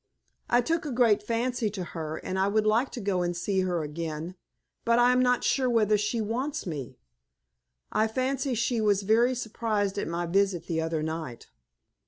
I took a great fancy to her, and I would like to go and see her again, but I am not sure whether she wants me. I fancy she was very surprised at my visit the other night."